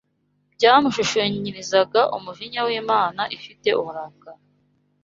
byamushushanyirizaga umujinya w’Imana ifite uburakari